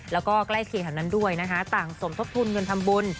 แล้วก็ใกล้เคียงแถวนั้นด้วยนะคะต่างสมทบทุนเงินทำบุญ